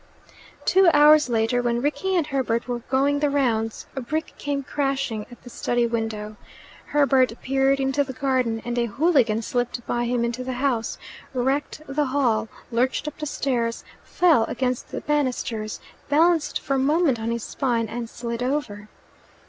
Two hours later, when Rickie and Herbert were going the rounds, a brick came crashing at the study window. Herbert peered into the garden, and a hooligan slipped by him into the house, wrecked the hall, lurched up the stairs, fell against the banisters, balanced for a moment on his spine, and slid over.